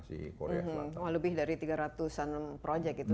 wah lebih dari tiga ratus an project gitu